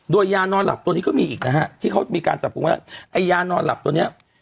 โดยยานอนหลับตัวนี้ก็มีอีกนะฮะที่เขามีการจับกลุ่มไว้แล้วไอ้ยานอนหลับตัวเนี้ย